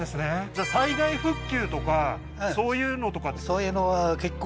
じゃあ災害復旧とかそういうのとかあっ